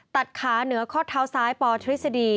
ตัดขาเหนือข้อเท้าซ้ายปทฤษฎี